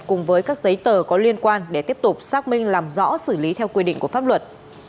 cùng với các giấy tờ có liên quan để tiếp tục xác minh làm rõ xử lý theo quy định của pháp luật